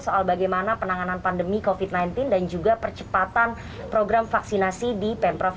soal bagaimana penanganan pandemi covid sembilan belas dan juga percepatan program vaksinasi di pemprov